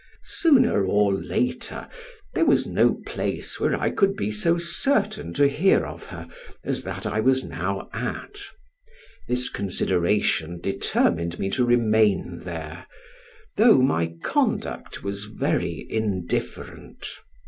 Sooner or later there was no place where I could be so certain to hear of her as that I was now at; this consideration determined me to remain there, though my conduct was very indifferent.